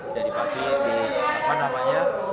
jadi pagi di apa namanya